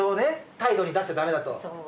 態度に出しちゃダメだと。